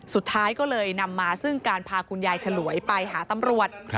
สุดท้ายก็เลยนำมาซึ่งการพาคุณยายฉลวยไปหาตำรวจ